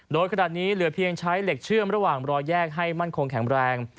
โดยขนาดนี้เหลือเพียงใช้เหล็กเชื่อมระหว่างรอแยกให้มั่นคงแข็งแรง